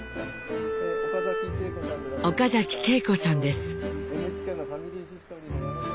岡嵜敬子さんです。